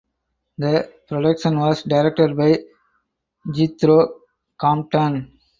The production was directed by Jethro Compton.